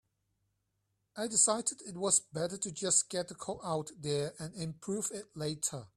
I decided it was better to just get the code out there and improve it later.